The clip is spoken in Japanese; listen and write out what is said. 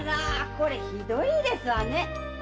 これひどいですわね。